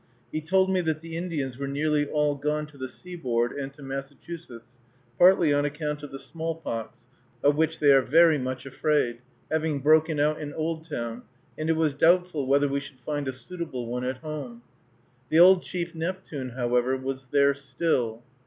He told me that the Indians were nearly all gone to the seaboard and to Massachusetts, partly on account of the smallpox of which they are very much afraid having broken out in Oldtown, and it was doubtful whether we should find a suitable one at home. The old chief Neptune, however, was there still.